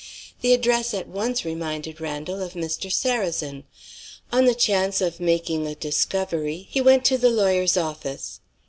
The address at once reminded Randal of Mr. Sarrazin. On the chance of making a discovery, he went to the lawyer's office.